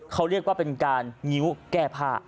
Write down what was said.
เขาเรียกว่าเป็นการงิ้วแก้ผ้า